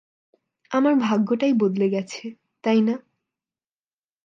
আমার ভাগ্যটাই বদলে গেছে, তাই না?